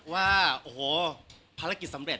ว่าโอ้โหภารกิจสำเร็